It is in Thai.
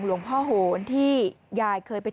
ครับครับครับครับครับ